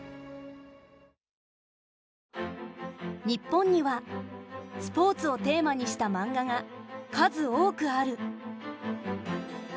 日本にはスポーツをテーマにしたマンガが数多くある。